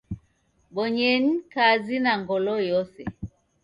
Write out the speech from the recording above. Bonyenyi kazi na ngolo yose.